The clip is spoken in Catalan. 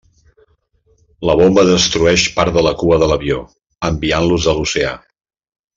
La bomba destrueix part de la cua de l'avió, enviant-los a l'oceà.